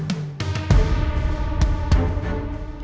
sampai jumpa lagi